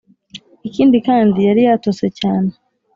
ikindi kandi yari yatose cyane .